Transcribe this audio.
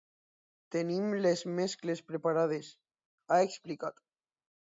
Tenim les mescles preparades, ha explicat.